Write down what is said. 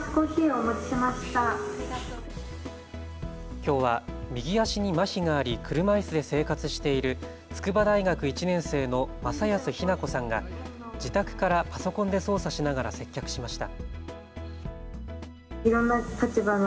きょうは右足にまひがあり車いすで生活している筑波大学１年生の政安陽向さんが自宅からパソコンで操作しながら接客しました。